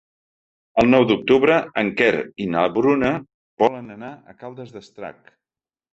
El nou d'octubre en Quer i na Bruna volen anar a Caldes d'Estrac.